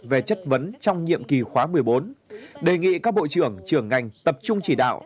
về chất vấn trong nhiệm kỳ khóa một mươi bốn đề nghị các bộ trưởng trưởng ngành tập trung chỉ đạo